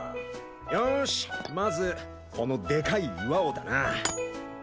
よしまずこのでかい岩をだなあ。